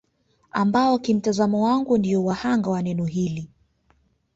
Ambao kimtazamo wangu ndio wa hanga wa neno hili